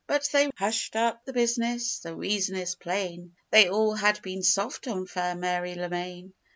But they hushed up the business the reason is plain, They all had been 'soft' on fair Mary Lemaine.